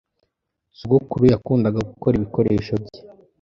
Sogokuru yakundaga gukora ibikoresho bye.